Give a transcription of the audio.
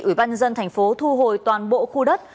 ủy ban nhân dân tp thu hồi toàn bộ khu đất